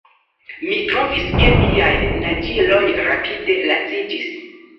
Mi trovis ke miaj naĝiloj rapide laciĝis.